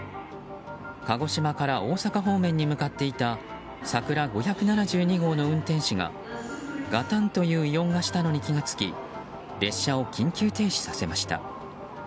鹿児島から大阪方面に向かっていた「さくら５７２号」の運転士がガタンという異音がしたのに気が付き列車を緊急停止させました。